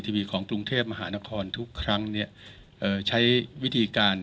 ทีวีของกรุงเทพมหานครทุกครั้งเนี่ยเอ่อใช้วิธีการ